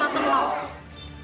ya jauh banget